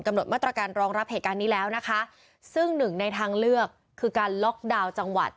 หดมาตรการรองรับเหตุการณ์นี้แล้วนะคะซึ่งหนึ่งในทางเลือกคือการล็อกดาวน์จังหวัด